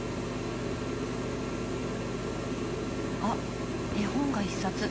あっ絵本が１冊。